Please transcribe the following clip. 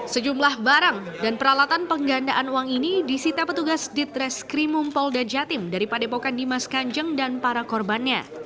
sejumlah barang dan peralatan penggandaan uang ini disita petugas ditreskrimum polda jatim dari padepokan dimas kanjeng dan para korbannya